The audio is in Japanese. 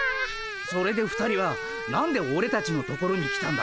それで２人は何でオレたちのところに来たんだ？